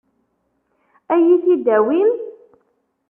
Ad iyi-t-id-tawim?